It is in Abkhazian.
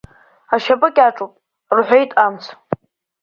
Ашьапы кьаҿуп рҳәеит амц…